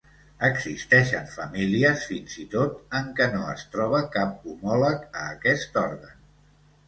Existeixen famílies, fins i tot, en què no es troba cap homòleg a aquest òrgan.